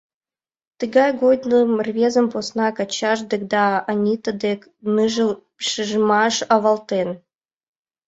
Тыгай годым рвезым поснак ачаж дек да Анита дек ныжыл шижмаш авалтен.